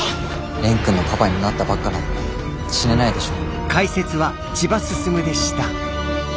蓮くんのパパになったばっかなのに死ねないでしょ。